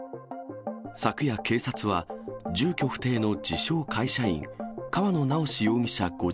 昨夜、警察は住居不定の自称会社員、河野直司容疑者